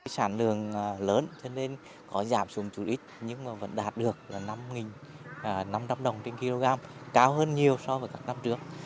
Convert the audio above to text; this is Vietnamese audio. sản lượng lớn nên có giảm xuống chút ít nhưng vẫn đạt được năm năm trăm linh đồng trên kg cao hơn nhiều so với năm trước